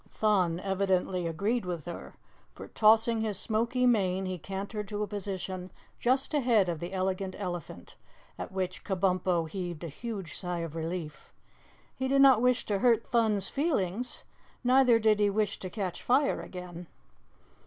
Thun evidently agreed with her, for, tossing his smoky mane, he cantered to a position just ahead of the Elegant Elephant, at which Kabumpo heaved a huge sigh of relief. He did not wish to hurt Thun's feelings, neither did he wish to catch fire again.